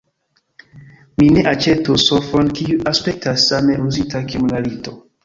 Mi ne aĉetus sofon kiu aspektas same uzita kiom la lito.